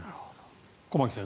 駒木さん